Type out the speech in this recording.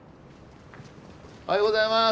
おはようございます。